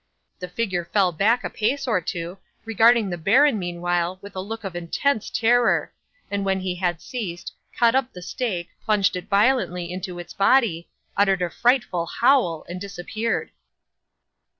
'The figure fell back a pace or two, regarding the baron meanwhile with a look of intense terror, and when he had ceased, caught up the stake, plunged it violently into its body, uttered a frightful howl, and disappeared.